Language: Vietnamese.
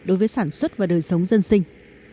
đối với sản xuất và đời sống dân sinh